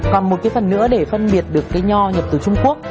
còn một cái phần nữa để phân biệt được cây nho nhập từ trung quốc